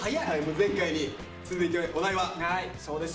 前回に続いてお題は。